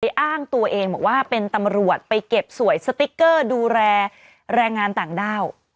อ้างตัวเองบอกว่าเป็นตำรวจไปเก็บสวยสติ๊กเกอร์ดูแลแรงงานต่างด้าว